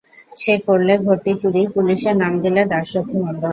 সে করলে ঘটি চুরি, পুলিসে নাম দিলে দাশরথি মণ্ডল।